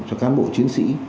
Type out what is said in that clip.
cho cán bộ chiến sĩ